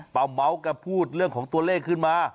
เป้าเหมาะกลับพูดเรื่องของตัวเลขขึ้นมา